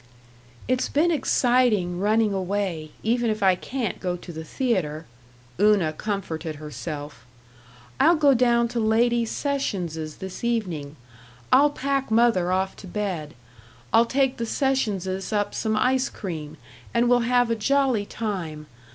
"It's been exciting, running away, even if I can't go to the theater," Una comforted herself. "I'll go down to Lady Sessions's this evening. I'll pack mother off to bed. I'll take the Sessionses up some ice cream, and we'll have a jolly time....